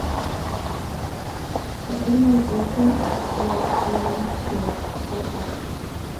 The organisation was renamed to "Fightback".